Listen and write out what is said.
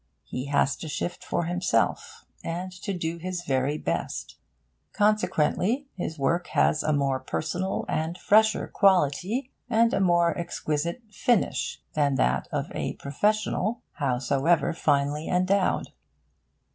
He has to shift for himself, and to do his very best. Consequently, his work has a more personal and fresher quality, and a more exquisite 'finish,' than that of a professional, howsoever finely endowed.